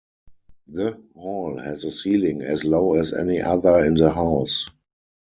The hall has a ceiling as low as any other in the house.